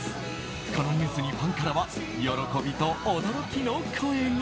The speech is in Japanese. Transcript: このニュースにファンからは喜びと驚きの声が。